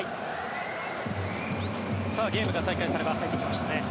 ゲームが再開されます。